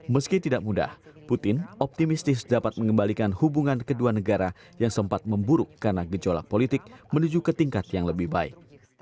meski tidak mudah putin optimistis dapat mengembalikan hubungan kedua negara yang sempat memburuk karena gejolak politik menuju ke tingkat yang lebih baik